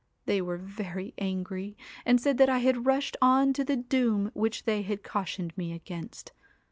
They were very angry, and said that I had rushed on the doom which they had cautioned me against.